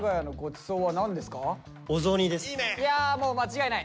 いやもう間違いない！